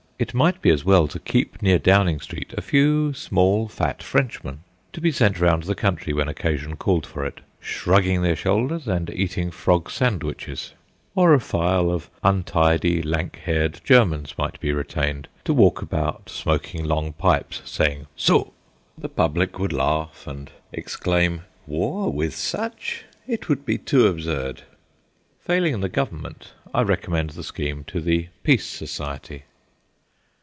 It might be as well to keep near Downing Street a few small, fat Frenchmen, to be sent round the country when occasion called for it, shrugging their shoulders and eating frog sandwiches; or a file of untidy, lank haired Germans might be retained, to walk about, smoking long pipes, saying "So." The public would laugh and exclaim, "War with such? It would be too absurd." Failing the Government, I recommend the scheme to the Peace Society.